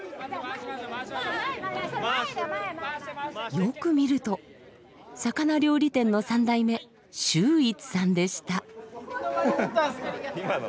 よく見ると魚料理店の３代目秀逸さんでした。